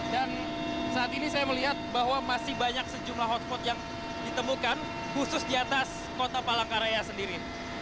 dan saat ini saya melihat bahwa masih banyak sejumlah hotspot yang ditemukan khusus di atas kota palangkaraya sendiri